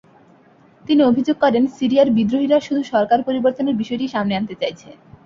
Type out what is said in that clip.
তিনি অভিযোগ করেন, সিরিয়ার বিদ্রোহীরা শুধু সরকার পরিবর্তনের বিষয়টিই সামনে আনতে চাইছে।